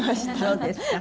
そうですか。